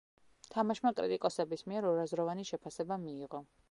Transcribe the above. თამაშმა კრიტიკოსების მიერ ორაზროვანი შეფასება მიიღო.